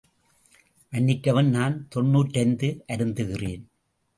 மன்னிக்கவும், நான் தொன்னூற்றைந்து அருந்துகிறேன்.